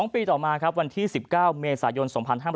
ปีต่อมาครับวันที่๑๙เมษายน๒๕๕๙